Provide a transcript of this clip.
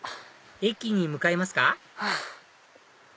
駅に向かいますか？